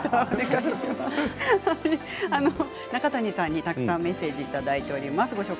中谷さんにたくさんメッセージをいただいております。